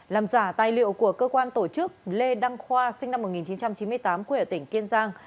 làm giả tài liệu của cơ quan tổ chức lê đăng khoa sinh năm một nghìn chín trăm chín mươi tám quê ở tỉnh kiên giang